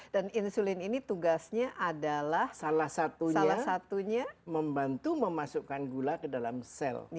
dan insulin ini tugasnya adalah salah satunya membantu memasukkan gula ke dalam sel